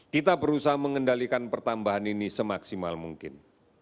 kita berusaha mengendalikan pertambahan ini semaksimal mungkin